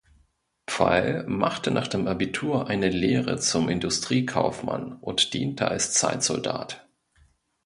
Pfeil machte nach dem Abitur eine Lehre zum Industriekaufmann und diente als Zeitsoldat.